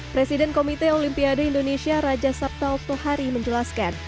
presiden komite olimpiade indonesia raja saptal thohari menjelaskan